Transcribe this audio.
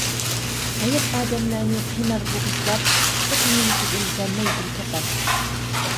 ھايات ئادەملەرنى قىينار بوغۇشلاپ، خۇشلۇق نېمىتىدىن بەرمەي بىر كاپام.